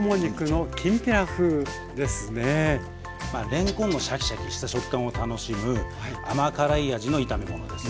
れんこんのシャキシャキした食感を楽しむ甘辛い味の炒め物です。